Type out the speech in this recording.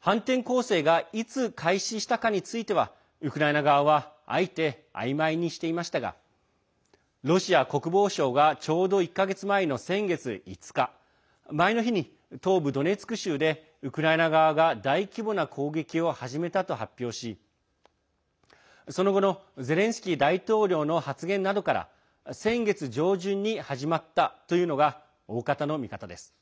反転攻勢がいつ開始したかについてはウクライナ側は、あえてあいまいにしていましたがロシア国防省がちょうど１か月前の先月５日前の日に東部ドネツク州でウクライナ側が大規模な攻撃を始めたと発表しその後のゼレンスキー大統領の発言などから先月上旬に始まったというのがおおかたの見方です。